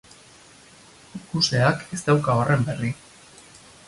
Ikusleak ez dauka horren berri.